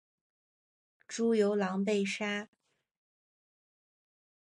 朱由榔被杀。